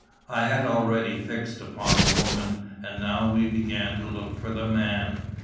I had already fixed upon the woman, and now we began to look for the man."